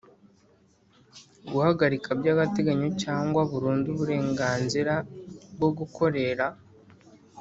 Guhagarika by agateganyo cyangwa burundu uburenganzira bwo gukorera